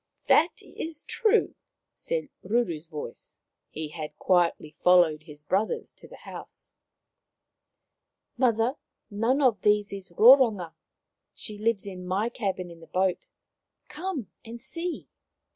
" That is true," said Ruru's voice. He had quietly followed his brothers to the house. " Mother, none of these is Roronga. She lies in my cabin in the boat. Come and see !